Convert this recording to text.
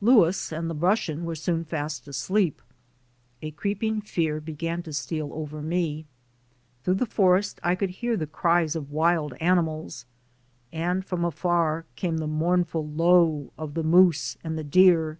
Louis and the Russian were soon fast asleep. A creeping fear began to steal over me. Through the forest I could hear the cries of wild 90 THE SOUL OF AN IMMIGRANT animals, and from afar came the mournful low oi the moose and the deer.